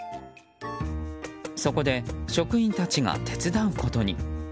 そこで、職員たちが手伝うことに。